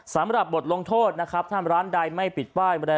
สำหรับบทลงโทษนะครับถ้าร้านใดไม่ปิดป้าย